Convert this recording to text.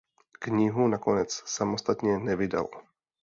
Knihu nakonec samostatně nevydal.